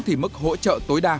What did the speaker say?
thì mức hỗ trợ tối đa